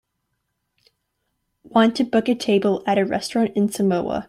Want to book a table at a restaurant in Samoa